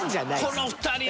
この２人はさ